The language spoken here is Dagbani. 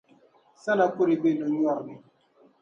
Sana kɔrɛ be no’ nyɔri ni.